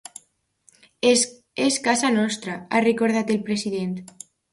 És casa nostra, ha recordat el president.